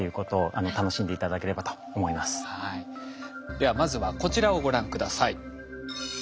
ではまずはこちらをご覧下さい。